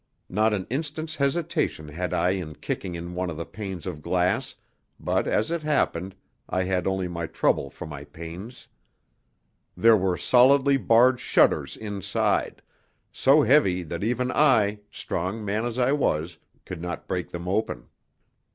Not an instant's hesitation had I in kicking in one of the panes of glass, but, as it happened, I had only my trouble for my pains. There were solidly barred shutters inside, so heavy that even I, strong man as I was, could not break them open.